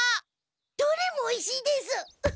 どれもおいしいです。